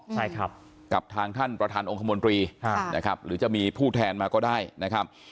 ใช่ครับกับทางท่านประธานองคมนตรีนะครับหรือจะมีผู้แทนมาก็ได้นะครับ